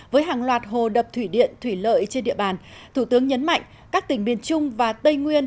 với hàng loạt hồ đập thủy điện thủy lợi trên địa bàn thủ tướng nhấn mạnh các tỉnh miền trung và tây nguyên